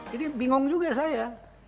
jadi bingung juga saya